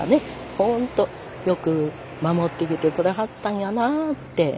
ほんとよく守ってきてくれはったんやなって思いますね。